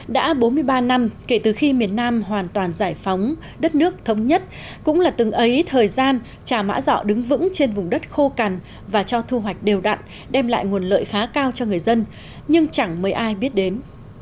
đã bốn mươi ba năm kể từ khi miền nam hoàn toàn giải phóng đất nước thống nhất cũng là từng ấy thời gian trà mã giọ đứng vững trên vùng đất khô cằn và cho thu hoạch đều đặn đem lại nguồn lợi khá cao cho người dân nhưng chẳng mấy ai biết đến